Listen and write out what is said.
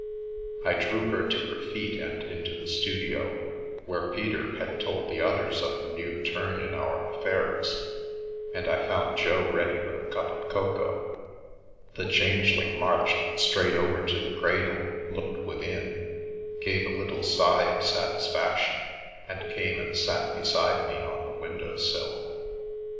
I drew her to her feet and into the studio, where Peter had told the others of the new turn in our affairs, and I found Jo ready with a cup of cocoa. The Change ling marched straight over to the cradle, looked within, gave a little sigh of satisfaction, and came and sat beside me on the window sill.